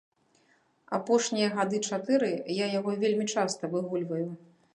Апошнія гады чатыры я яго вельмі часта выгульваю.